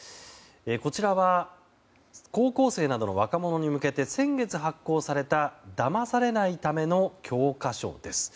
こちらは高校生などの若者に向けて先月発行された「騙されない為の教科書」です。